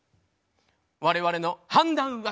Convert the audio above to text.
我々の判断は。